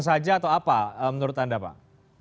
saja atau apa menurut anda pak